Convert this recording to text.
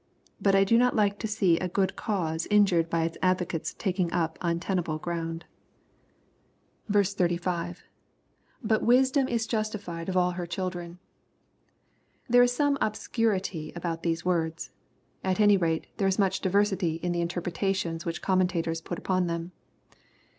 But I do not like to see a good cause irjured by its advocates taking up untenable ground. LUEE^ CHAP. YIL 238 85. — [But wisdom is jisHfied of aU her children.] There is some obscurity about these words. At any rate, there is much diversity in the interpretations which comme^itators put upon them.